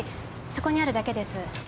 そこにあるだけです。